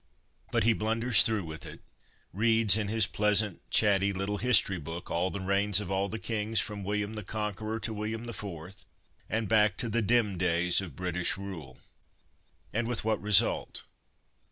But he blunders through with it ; reads in his pleasant, chatty little history book all the reigns of all the kings, from William the Conqueror to William IV., and back to the dim days of British rule. And with what result